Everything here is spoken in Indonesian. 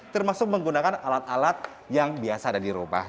termasuk menggunakan alat alat yang biasa ada di rumah